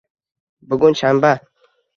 Bugun shanba.